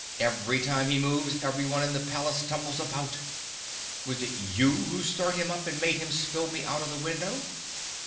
Every time he moves everyone in the palace tumbles about. Was it you who stirred him up and made him spill me out of the window?"